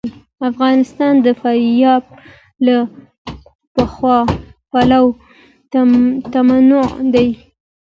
افغانستان د فاریاب له پلوه متنوع دی.